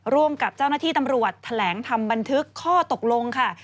ร่วมกับเจ้าหน้าที่ตำรวจแถลงทำบันทึกข้อตกลงค่ะ